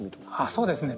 そうですね。